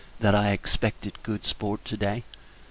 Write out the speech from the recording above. that I expected good sport to day!